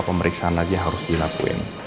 pemeriksaan lagi harus dilakuin